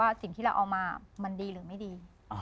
สิ่งที่เราเอามามันดีหรือไม่ดี